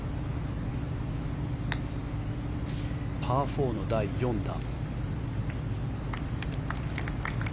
パー４の第４打。